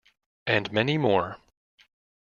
And many more.